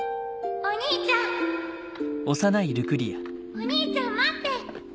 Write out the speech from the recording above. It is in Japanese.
お兄ちゃん待って！